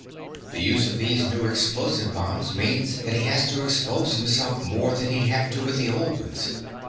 The use of these new explosive bombs means that he has to expose himself more than he'd have to with the old ones."